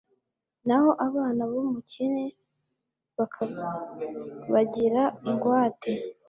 naho abana b'umukene bakabagira ingwate